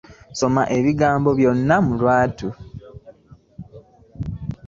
Soma ebigambo ebyo mu lwatu.